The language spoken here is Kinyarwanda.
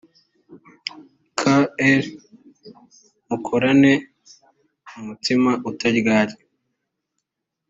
kl mukorane umutima utaryarya